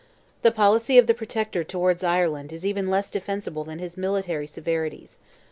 The policy of the Protector towards Ireland is even less defensible than his military severities.